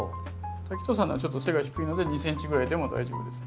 滝藤さんのはちょっと背が低いので２ｃｍぐらいでも大丈夫ですね。